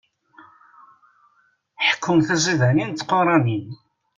Ḥekkun tizidanin d tquranin.